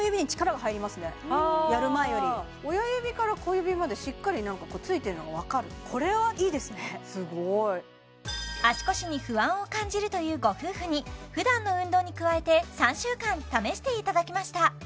やる前より親指から小指までしっかりついてるのがわかるすごい足腰に不安を感じるというご夫婦に普段の運動に加えて３週間試していただきました